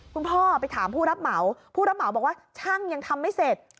พ่อไปถามผู้รับเหมาผู้รับเหมาบอกว่าช่างยังทำไม่เสร็จ